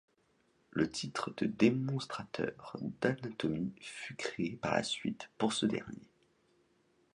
Le titre de démonstrateur d'anatomie fut créé par la suite pour ce dernier.